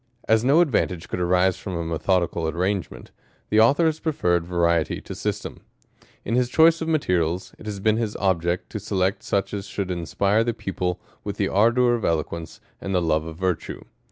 As no advantage could arise from a methodical ar rangement, the Author has preferred variety to sys yern. In his choice of materials, it has been his object Jo select such as should inspire the pupil zoith the ardour ^.of eloquence, and the love of virtue.